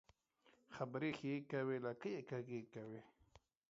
خبري ښې کوې ، لکۍ يې کږۍ کوې.